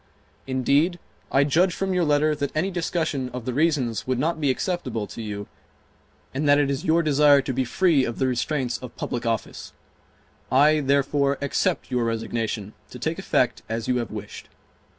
Indeed, I judge from your letter that any discussion of the reasons would not be acceptable to you and that it is your desire to be free of the restraints of public office. I, therefore, accept your resignation, to take effect as you have wished.